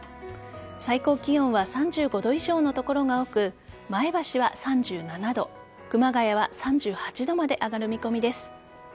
最高気温は３５度以上の所が多く前橋は３７度熊谷は３８度まで上がる見込みです。